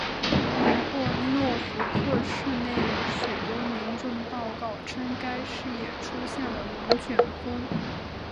不过诺福克市内有许多民众报告称该市也出现了龙卷风。